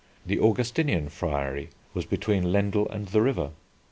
The Augustinian Friary was between Lendal and the river.